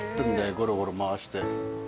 ゴロゴロ回して。